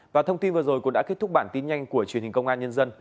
và thông tin vừa rồi cũng đã kết thúc bản tin nhanh của truyền hình công an nhân dân